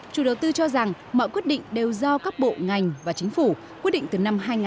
chủ đầu tư cho rằng mọi quyết định đều do các bộ ngành và chính phủ quyết định từ năm hai nghìn chín